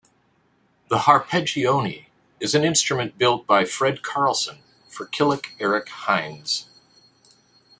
The H'arpeggione is an instrument built by Fred Carlson for Killick Erik Hinds.